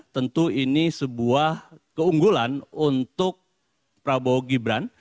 tentu ini sebuah keunggulan untuk prabowo gibran